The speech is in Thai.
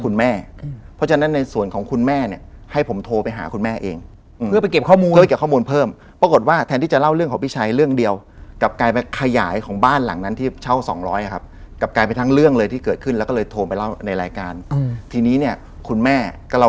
เราก็ต้องมีทำบุญบ้านใช่ไหมครับ